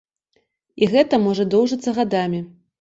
І гэта можа доўжыцца гадамі.